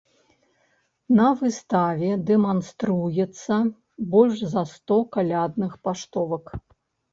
На выставе дэманструецца больш за сто калядных паштовак.